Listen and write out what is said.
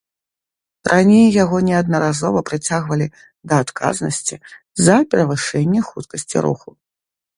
Раней яго неаднаразова прыцягвалі да адказнасці за перавышэнне хуткасці руху.